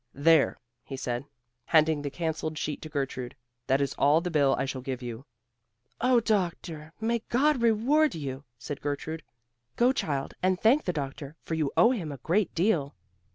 "There," he said, handing the cancelled sheet to Gertrude, "that is all the bill I shall give you." "Oh, doctor, may God reward you," said Gertrude. "Go, child, and thank the doctor, for you owe him a great deal."